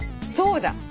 そうだ。